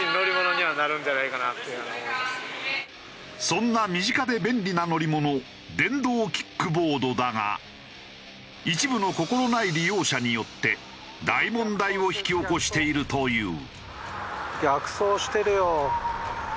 そんな身近で便利な乗り物電動キックボードだが一部の心ない利用者によって大問題を引き起こしているという。